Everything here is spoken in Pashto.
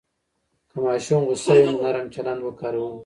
که ماشوم غوسه وي، نرم چلند وکاروئ.